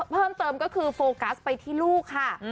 เพิ่มเติมก็คือโฟกัสไปที่ลูกค่ะ